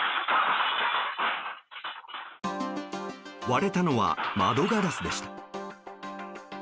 割れたのは窓ガラスでした。